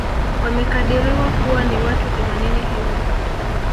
Wamekadiriwa kuwa ni watu themanini hivi